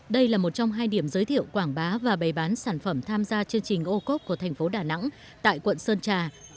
đây là một trong hai điểm giới thiệu quảng bá và bày bán sản phẩm tham gia chương trình ô cốp của thành phố đà nẵng tại quận sơn trà